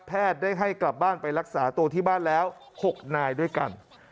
ได้ให้กลับบ้านไปรักษาตัวที่บ้านแล้ว๖นายด้วยกัน